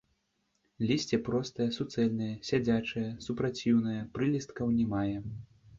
Лісце простае, суцэльнае, сядзячае, супраціўнае, прылісткаў не мае.